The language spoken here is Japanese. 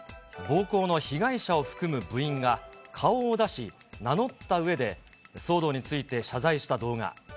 暴行の被害者を含む部員が顔を出し、名乗ったうえで、騒動について謝罪した動画。